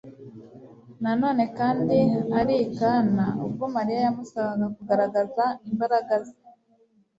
Nanone kandi ari i Kana, ubwo Mariya yamusabaga kugaragaza imbaraga ze